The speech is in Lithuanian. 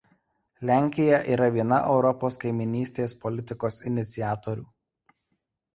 Lenkija yra viena Europos kaimynystės politikos iniciatorių.